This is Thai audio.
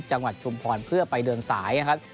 จังหวัดชุมพรเพื่อไปเดินสายนะครับ